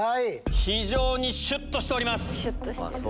非常にシュっとしております。